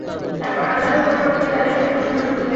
তারপর আল্লাহর পরিবর্তে তাদেরই উপাসনা শুরু হয়ে যায়।